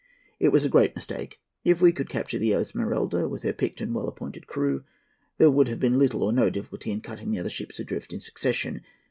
It was a great mistake. If we could capture the Esmeralda with her picked and well appointed crew, there would have been little or no difficulty in cutting the other ships adrift in succession.